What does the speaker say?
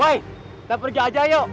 woy kita pergi aja yow